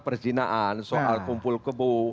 perjinaan soal kumpul kebu